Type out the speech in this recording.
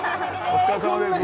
お疲れさまです